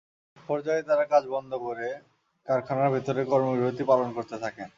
একপর্যায়ে তাঁরা কাজ বন্ধ করে কারখানার ভেতরে কর্মবিরতি পালন করতে থাকেন।